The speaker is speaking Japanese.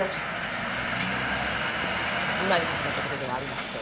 それは今に始まった事ではありません。